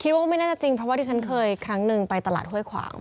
ว่าก็ไม่น่าจะจริงเพราะว่าที่ฉันเคยครั้งหนึ่งไปตลาดห้วยขวาง